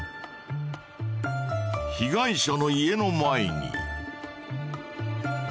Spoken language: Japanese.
被害者の家の前に。